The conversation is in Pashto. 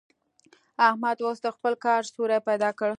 احمد اوس د خپل کار سوری پيدا کړ.